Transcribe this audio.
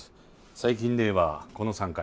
最近で言えばこの３回。